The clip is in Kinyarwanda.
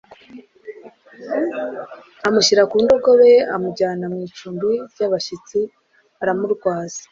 amushyira ku ndogobe ye amujyana mu icumbi ry’abashyitsi aramurwaza”